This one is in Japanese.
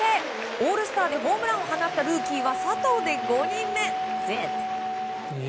オールスターでホームランを放ったルーキーは佐藤で５人目。